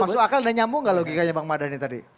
masuk akal udah nyambung gak logikanya bang mada nih tadi